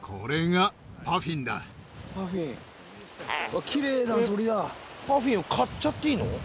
わっパフィンを狩っちゃっていいの？